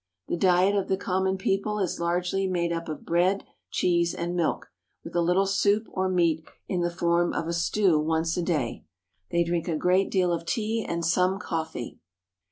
The diet of the common people is largely made up of bread, cheese, and milk, with a little soup or meat in the form of a stew 326 PERSIA once a day. They drink a great deal of tea and some coffee.